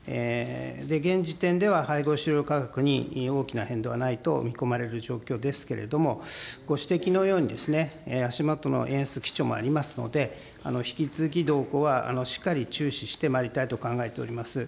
現時点では、配合飼料価格に大きな変動はないと見込まれる状況ですけれども、ご指摘のように、足下の円安基調もありますので、引き続き動向はしっかり注視してまいりたいと考えております。